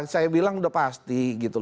saya bilang sudah pasti